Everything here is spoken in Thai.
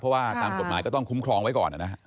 เพราะว่าตามกฎหมายก็ต้องคุ้มครองไว้ก่อน